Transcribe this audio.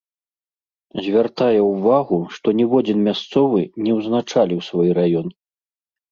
Звяртае ўвагу, што ніводзін мясцовы не ўзначаліў свой раён.